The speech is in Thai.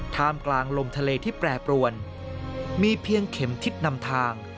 ท่ามกลางลมทะเลที่แปรปรวนมีเพียงเข็มทิศนำทาง